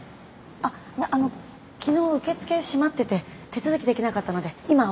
あっあの昨日受付閉まってて手続きできなかったので今終わりました。